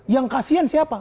yang kasihan siapa